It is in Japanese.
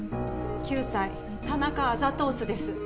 ９歳田中アザトースです。